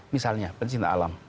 misalnya pencinta alam